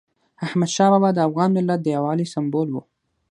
احمدشاه بابا د افغان ملت د یووالي سمبول و.